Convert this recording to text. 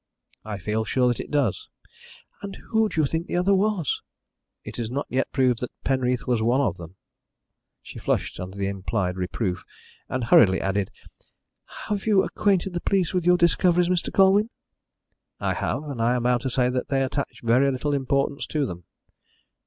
"I feel sure that it does." "And who do you think the other was?" "It is not yet proved that Penreath was one of them." She flushed under the implied reproof, and hurriedly added: "Have you acquainted the police with your discoveries, Mr. Colwyn?" "I have, and I am bound to say that they attach very little importance to them."